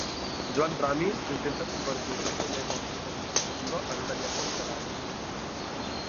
Joan Ramis intenta convertir aquesta llengua culta administrativa en una llengua literària.